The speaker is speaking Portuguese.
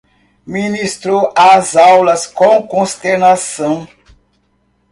Ministrou as aulas com consternação